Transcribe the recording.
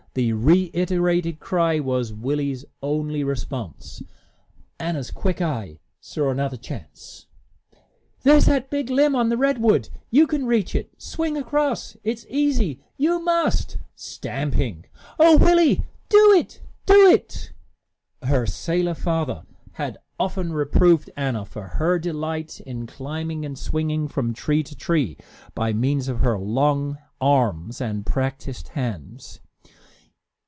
The reiterated cry was Willie's only response. Anna's quick eye saw another chance. "There's that big limb on the redwood. You can reach it. Swing across. It's easy. You must!" stamping. "O Willie, do it! Do it!" Her sailor father had often reproved Anna for her delight in climbing and swinging from tree to tree, by means of her long arms and practised hands.